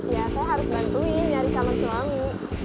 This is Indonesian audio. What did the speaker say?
ya saya harus bantuin nyari calon suami